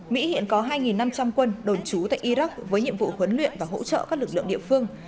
mỹ hiện có hai năm trăm linh quân đồn trú tại iraq với nhiệm vụ huấn luyện và hỗ trợ các lực lượng địa phương